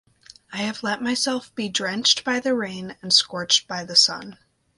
I have let myself be drenched by the rain and scorched by the sun.